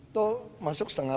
itu masuk setengah delapan